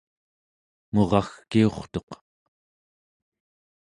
muragkiurtuq